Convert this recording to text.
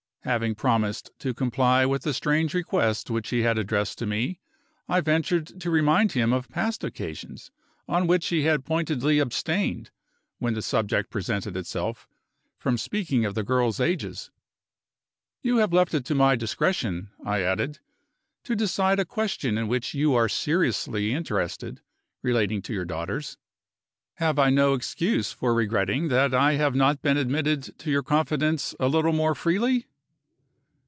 Having promised to comply with the strange request which he had addressed to me, I ventured to remind him of past occasions on which he had pointedly abstained, when the subject presented itself, from speaking of the girls' ages. "You have left it to my discretion," I added, "to decide a question in which you are seriously interested, relating to your daughters. Have I no excuse for regretting that I have not been admitted to your confidence a little more freely?"